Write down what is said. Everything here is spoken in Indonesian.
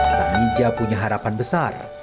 sanija punya harapan besar